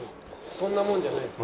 「そんなもんじゃないです」。